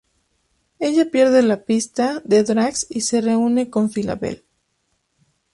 Ella "pierde la pista" de Drax y se reúne con Phyla-Vell.